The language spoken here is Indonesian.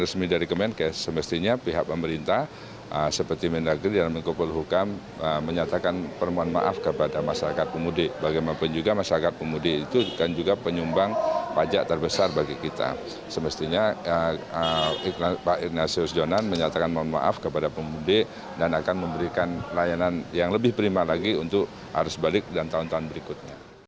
semestinya pak ignatius jonan menyatakan mohon maaf kepada pemudik dan akan memberikan layanan yang lebih prima lagi untuk arus balik dan tahun tahun berikutnya